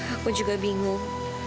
aku juga bingung